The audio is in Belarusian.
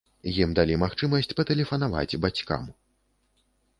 Ім далі магчымасць патэлефанаваць бацькам.